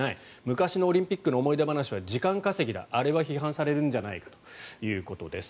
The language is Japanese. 昔のオリンピックの思い出話は時間稼ぎだあれは批判されるんじゃないのということです。